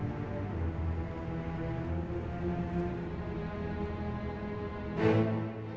aku sudah berpikir